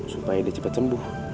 supaya dia cepet sembuh